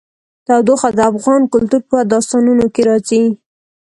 تودوخه د افغان کلتور په داستانونو کې راځي.